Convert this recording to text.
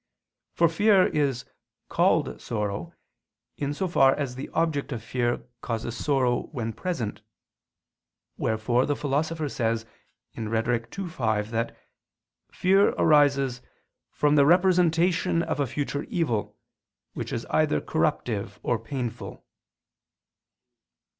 For fear is called sorrow, in so far as the object of fear causes sorrow when present: wherefore the Philosopher says (Rhet. ii, 5) that fear arises "from the representation of a future evil which is either corruptive or painful."